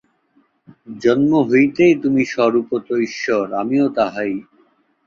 জন্ম হইতেই তুমি স্বরূপত ঈশ্বর, আমিও তাহাই।